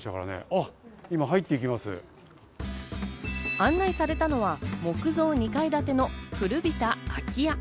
案内されたのは木造２階建ての古びた空き家。